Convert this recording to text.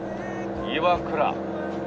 岩倉。